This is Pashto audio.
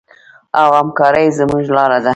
او همکاري زموږ لاره ده.